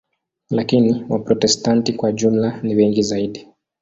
Lakini Waprotestanti kwa jumla ni wengi zaidi.